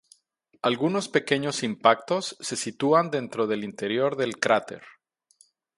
Algunos pequeños impactos se sitúan dentro del interior del cráter.